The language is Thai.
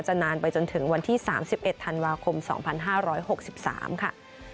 นานไปจนถึงวันที่๓๑ธันวาคม๒๕๖๓ค่ะ